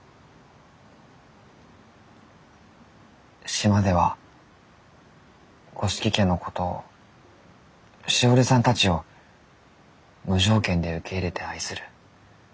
島では五色家のことをしおりさんたちを無条件で受け入れて愛する。